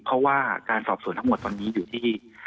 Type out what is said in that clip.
เพราะว่าการสอบสวนทั้งหมดตอนนี้อยู่ที่